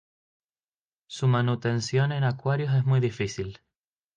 Su manutención en acuarios es muy difícil.